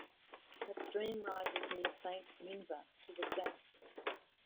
A stream rises near Saint Minver to the south.